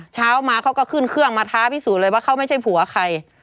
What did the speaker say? เช้ามาเขาก็ขึ้นเครื่องมาท้าพิสูจน์เลยว่าเขาไม่ใช่ผัวใคร